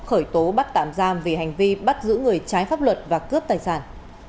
cố bắt tạm giam vì hành vi bắt giữ người trái pháp luật và cướp tài sản